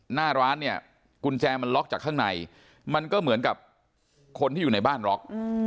หน้าร้านเนี่ยกุญแจมันล็อกจากข้างในมันก็เหมือนกับคนที่อยู่ในบ้านล็อก